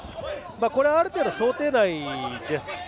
これはある程度想定内です。